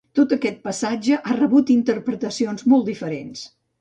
Tot aquest passatge ha rebut interpretacions molt diferents.